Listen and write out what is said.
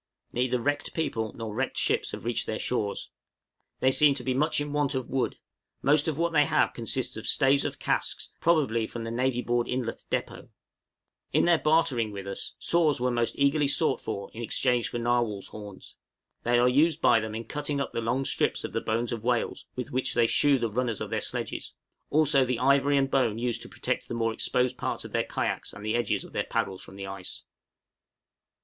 Neither wrecked people nor wrecked ships have reached their shores. They seemed to be much in want of wood; most of what they have consists of staves of casks, probably from the Navy Board Inlet depôt. {TOOLS USED BY THE ESQUIMAUX.} In their bartering with us, saws were most eagerly sought for in exchange for narwhal's horns; they are used by them in cutting up the long strips of the bones of whales with which they shoe the runners of their sledges, also the ivory and bone used to protect the more exposed parts of their kayaks and the edges of their paddles from the ice.